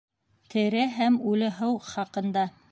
ТЕРЕ ҺӘМ ҮЛЕ ҺЫУ ХАҠЫНДА